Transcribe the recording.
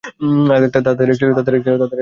তাদের এক ছেলে।